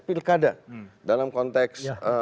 pilkada dalam konteks